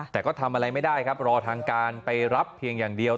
แต่ก็ทำอะไรไม่ได้ครับรอทางการไปรับเพียงอย่างเดียว